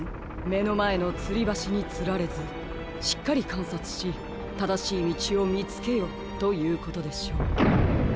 めのまえのつりばしにつられずしっかりかんさつしただしいみちをみつけよということでしょう。